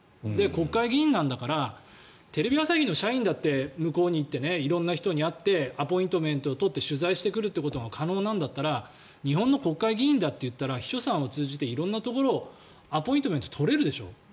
国会議員なんだからテレビ朝日の社員だって向こうに行って色んな人に会ってアポイントメントを取って取材してくるということが可能なんだったら日本の国会議員だと言ったら秘書さんを通じて色んなところにアポイントメント取れるでしょ。